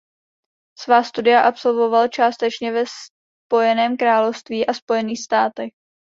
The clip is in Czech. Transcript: Svá studia absolvoval částečně ve Spojeném království a Spojených státech.